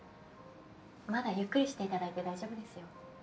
まだゆっくりしていただいて大丈夫ですよ。